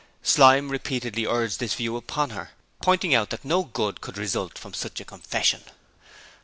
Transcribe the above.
Slyme repeatedly urged this view upon her, pointing out that no good could result from such a confession.